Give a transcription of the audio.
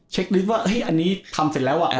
ลิฟต์ว่าอันนี้ทำเสร็จแล้วอ่ะ